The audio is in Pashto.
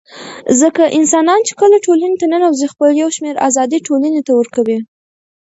ځکه انسانان چي کله ټولني ته ننوزي خپل يو شمېر آزادۍ ټولني ته ورکوي